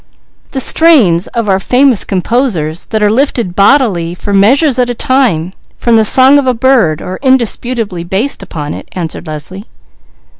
"The strains of our famous composers that are lifted bodily for measures at a time, from the song of a bird or indisputably based upon it," answered Leslie.